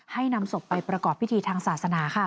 นำศพไปประกอบพิธีทางศาสนาค่ะ